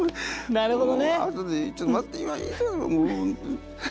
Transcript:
なるほど。